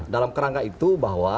dalam kerangka itu bahwa